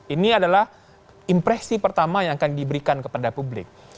ini adalah impresi pertama yang akan diberikan kepada publik